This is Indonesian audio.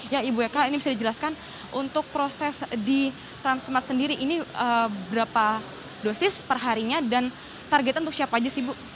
ya ibu eka ini bisa dijelaskan untuk proses di transmart sendiri ini berapa dosis perharinya dan targetnya untuk siapa aja sih ibu